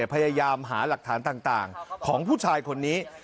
พยายามหาหลักฐานต่างของผู้ชายคนนี้